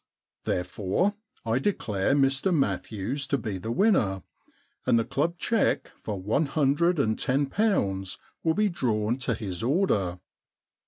There fore I declare Mr Matthews to be the winner, and the club cheque for one hundred and ten pounds will be drawn to his order.'